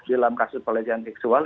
dalam kasus pelecehan seksual